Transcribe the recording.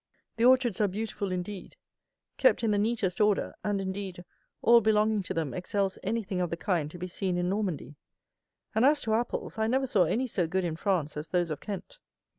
The orchards are beautiful indeed. Kept in the neatest order, and, indeed, all belonging to them excels anything of the kind to be seen in Normandy; and as to apples, I never saw any so good in France as those of Kent.